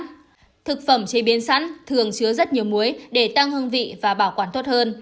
các thực phẩm chế biến sẵn thường chứa rất nhiều muối để tăng hương vị và bảo quản tốt hơn